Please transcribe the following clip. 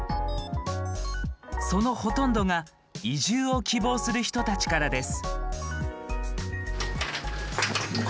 そのほとんどが移住を希望する人たちからです。